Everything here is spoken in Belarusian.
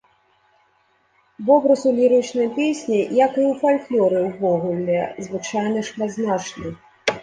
Вобраз у лірычнай песні, як і ў фальклоры ўвогуле, звычайна шматзначны.